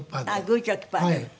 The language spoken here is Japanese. グーチョキパーで。